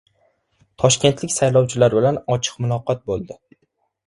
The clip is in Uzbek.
Toshkentlik saylovchilar bilan ochiq muloqot bo‘ldi